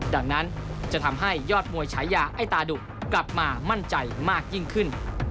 ดังนั้นจะทำให้ยอดมวยฉายาไอ้ตาดุกลับมามั่นใจมากยิ่งขึ้น